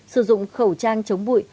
sử dụng khẩu trang chống bụi